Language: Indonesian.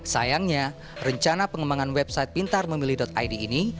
sayangnya rencana pengembangan website pintarmemilih id ini